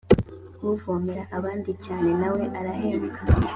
uvomera abandi cyane na we arahembwa